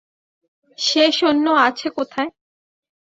সে সৈন্য আছে কোথায়?